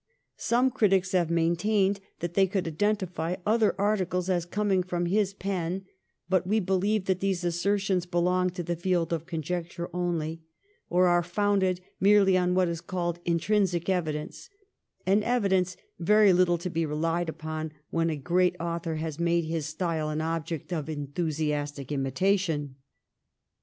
Some critics have 174 THE EEIGN OF QUEEN ANNE. ch. xxix. maintained that they could identify other articles as coming from his pen, but we believe that these asser tions belong to the field of conjecture only, or are founded merely on what is called intrinsic evidence, an evidence very little to be relied on when a great author has made his style an object of enthusiastic imitation.